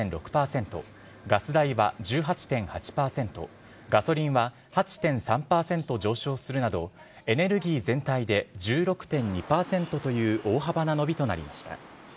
ガス代は１８．８％ガソリンは８．３％上昇するなどエネルギー全体で１６．２％という大幅な伸びとなりました。